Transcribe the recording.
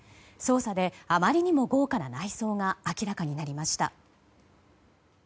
調査であまりにも豪華な内装が明らかになりました。